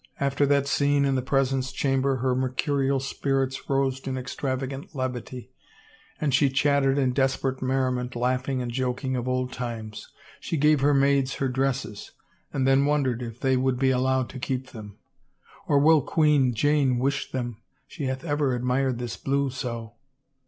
After that scene in the presence chamber her mercurial spirits rose in extravagant levity and she chatted in desperate merriment, laughing and joking of old times. She gave her maids her dresses, and then wondered if they would be allowed to keep them —" Or will Queen Jane wish them — she hath ever admired this blue so